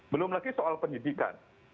belum lagi soal pendidikan